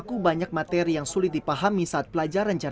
kurang jelas materi pembelajarannya